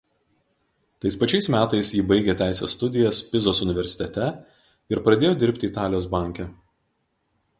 Tais pačiais metais ji baigė teisės studijas Pizos universitete ir pradėjo dirbti Italijos banke.